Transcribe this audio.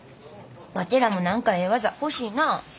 ワテらも何かええ技欲しいなあ。